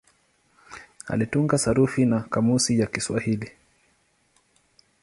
Alitunga sarufi na kamusi ya Kiswahili.